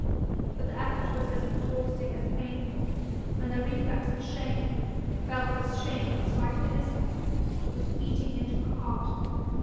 But the effort was as exhausting as painful, and the reflex of shame, felt as shame in spite of innocence, was eating into her heart.